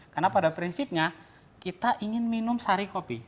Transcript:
karena pada prinsipnya kita ingin minum sari kopi